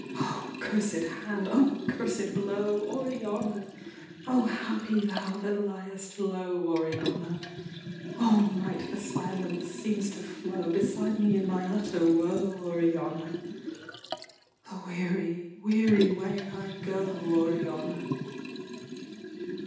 O cursed hand! O cursed blow! Oriana! O happy thou that liest low, Oriana! All night the silence seems to flow Beside me in my utter woe, Oriana. A weary, weary way I go, Oriana.